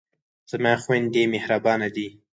زما خویندې مهربانه دي.